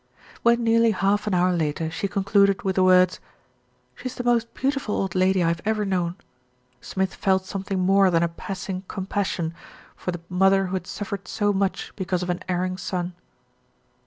When nearly half an hour later she concluded with the words, "She's the most beautiful old lady I have ever known," Smith felt something more than a pass ing compassion for the mother who had suffered so much because of an erring son.